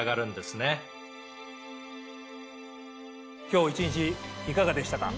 今日一日いかがでしたか？